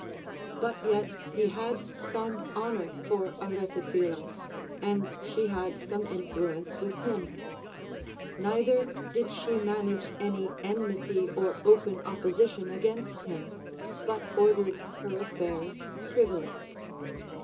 But yet he had some honor for Aretaphila, and she had some influence with him ; neither did she manage any enmity or open opposition against him, but ordered her affairs privily.